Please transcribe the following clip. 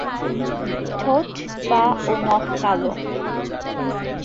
ঠোঁট, পা ও নখ কালো।